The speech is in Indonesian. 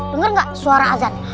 dengar nggak suara azan